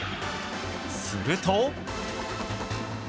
すると。